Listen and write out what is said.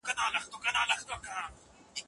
ما د ازادې مطالعې عادت پيدا کړ.